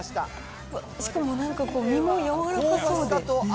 しかもなんか、身も柔らかそうで。